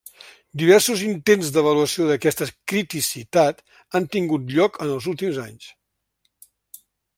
Diversos intents d'avaluació d'aquesta criticitat han tingut lloc en els últims anys.